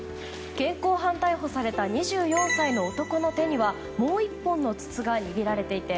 現行犯逮捕された２４歳の男の手にはもう１本の筒が握られていて